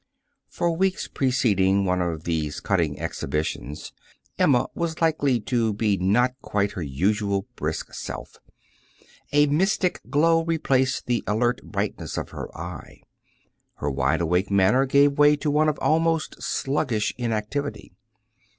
For weeks preceding one of these cutting exhibitions, Emma was likely to be not quite her usual brisk self. A mystic glow replaced the alert brightness of her eye. Her wide awake manner gave way to one of almost sluggish inactivity.